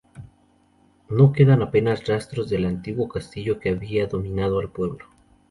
No quedan apenas rastros del antiguo castillo que había dominado el pueblo.